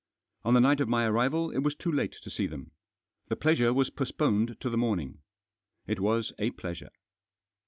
On the night of my arrival it was too late to see them. The pleasure was postponed to the morning. It was a pleasure!